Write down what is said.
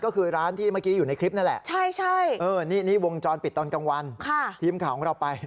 ก็คือร้านที่เมื่อกี้อยู่ในคลิปนั่นแหละนี่วงจรปิดตอนกลางวันทีมข่าวของเราไป